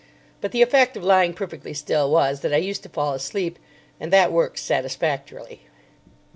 But the effect of lying perfectly still was that I used to fall asleep; and that works satisfactorily."